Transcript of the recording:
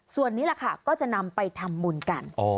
ส่วนนี้แหละค่ะก็จะนำไปทำบุญกัน